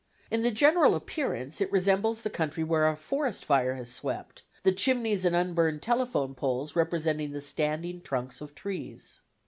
In the general appearance it resembles the country where a forest fire has swept, the chimneys and unburned telephone poles representing the standing trunks of trees.